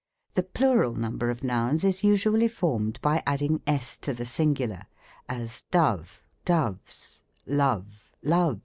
The plural number of nouns is usually formed b] adding s to the singular; as, dove, doves, love, love.>